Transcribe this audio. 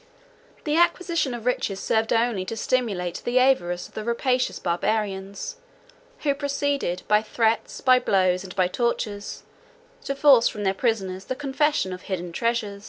The acquisition of riches served only to stimulate the avarice of the rapacious Barbarians, who proceeded, by threats, by blows, and by tortures, to force from their prisoners the confession of hidden treasure.